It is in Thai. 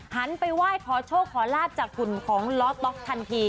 หันไปไหว้ขอโชคขอราศจากคุณของล็อตต๊อกทันที